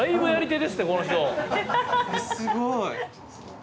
すごい。